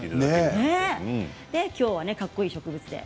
きょうは、かっこいい植物で。